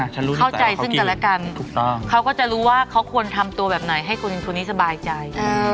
เข้าใจซึ่งแต่ละกันเขาก็จะรู้ว่าเขาควรทำตัวแบบไหนให้คนอื่นนี่สบายใจ